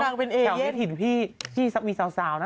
แถวนี้ถิ่นพี่พี่มีสาวนะ